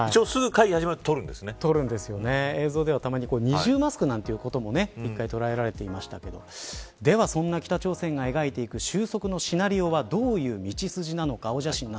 映像ではたまに二重マスクなんてことも１回捉えられていましたがでは、そんな北朝鮮が描いていく収束のシナリオはどういう道筋なのか。